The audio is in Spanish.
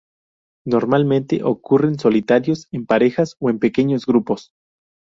Normalmente ocurren solitarios, en parejas, o en pequeños grupos.